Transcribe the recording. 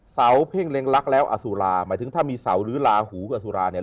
เสาเพ่งเล็งรักแล้วอสุราหมายถึงถ้ามีเสาหรือลาหูกับสุราเนี่ย